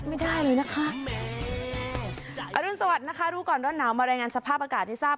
ไม่ได้เลยนะคะอรุณสวัสดิ์นะคะรู้ก่อนร้อนหนาวมารายงานสภาพอากาศให้ทราบ